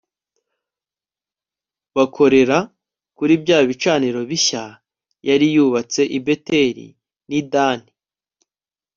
bakorera kuri bya bicaniro bishya yari yubatse i Beteli ni Dani